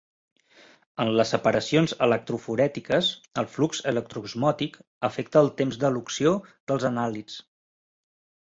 En les separacions electroforètiques, el flux electroosmòtic afecta el temps d'elució dels anàlits.